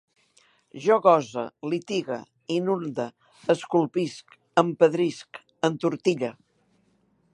Jo gose, litigue, inunde, esculpisc, empedrisc, entortille